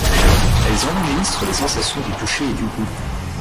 Elles enregistrent les sensations du toucher et du goût.